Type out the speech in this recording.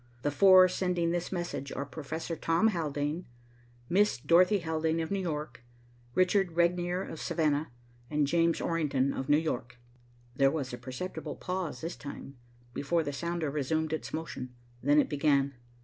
The four sending this message are Professor Thomas Haldane and Miss Dorothy Haldane of New York, Richard Regnier of Savannah and James Orrington of New York." There was a perceptible pause this time, before the sounder resumed its motion. Then it began.